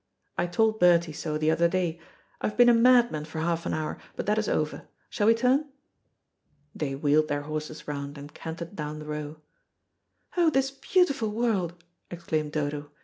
"I told Bertie so the other day. I have been a madman for half an hour, but that is over. Shall we turn?" They wheeled their horses round, and cantered down the Row. "Oh, this beautiful world," exclaimed Dodo.